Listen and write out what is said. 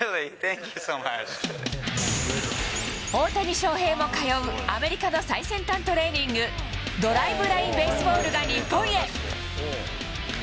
大谷翔平も通うアメリカの最先端トレーニング、ドライブライン・ベースボールが日本へ。